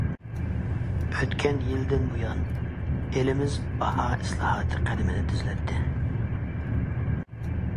ئۆتكەن يىلىدىن بۇيان، ئېلىمىز باھا ئىسلاھاتى قەدىمىنى تېزلەتتى.